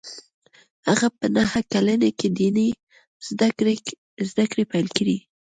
هغه په نهه کلنۍ کې ديني زده کړې پیل کړې